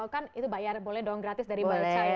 kan itu bayar boleh doang gratis dari baca ya